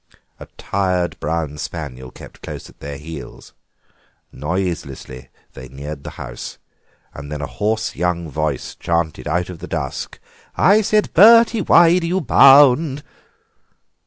A tired brown spaniel kept close at their heels. Noiselessly they neared the house, and then a hoarse young voice chanted out of the dusk: "I said, Bertie, why do you bound?"